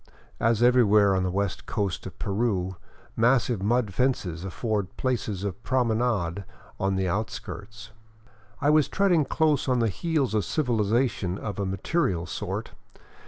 As everywhere on the West Coast of Peru, massive mud fences afford places of promenade in the outskirts. I was treading close on the heels of civilization of a material sort.